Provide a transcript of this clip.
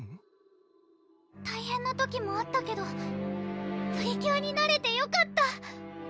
大変な時もあったけどプリキュアになれてよかった！